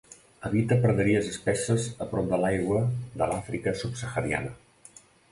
Habita praderies espesses a prop de l'aigua de l'Àfrica subsahariana.